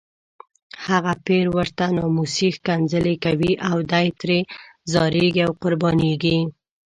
هغه پیر ورته ناموسي ښکنځلې کوي او دی ترې ځاریږي او قربانیږي.